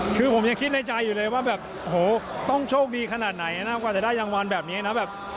คือผมยังคิดในใจอยู่เลยว่าแบบโหต้องโชคดีขนาดไหนนะกว่าจะได้รางวัลแบบนี้นะแบบ